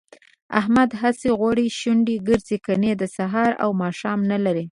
احمد هسې غوړې شونډې ګرځي، ګني د سهار او ماښام نه لري